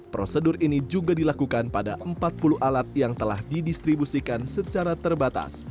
prosedur ini juga dilakukan pada empat puluh alat yang telah didistribusikan secara terbatas